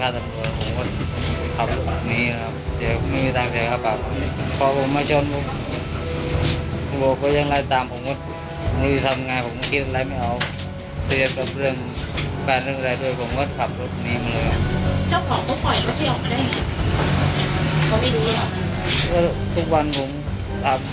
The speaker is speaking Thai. สนุนโดยเอกลักษณ์ไอนะครับ